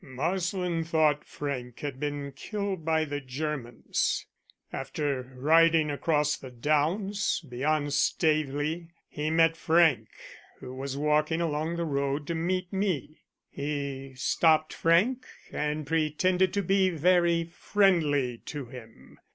Marsland thought Frank had been killed by the Germans. After riding across the downs beyond Staveley he met Frank, who was walking along the road to meet me. He stopped Frank and pretended to be very friendly to him.